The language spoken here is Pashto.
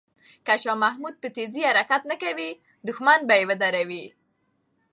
که شاه محمود په تېزۍ حرکت نه کوي، دښمن به یې ودروي.